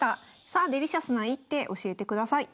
さあデリシャスな一手教えてください。